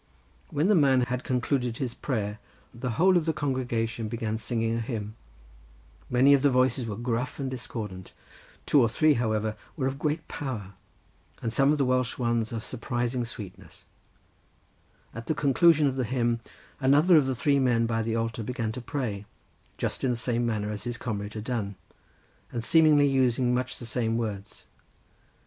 When the man had concluded his prayer the whole of the congregation began singing a hymn; many of the voices were gruff and discordant, two or three, however, were of great power, and some of the female ones of surprising sweetness—at the conclusion of the hymn another of the three men by the altar began to pray, just in the same manner as his comrade had done, and seemingly using much the same words.